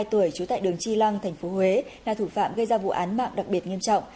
ba mươi hai tuổi trú tại đường tri lăng thành phố huế là thủ phạm gây ra vụ án mạng đặc biệt nghiêm trọng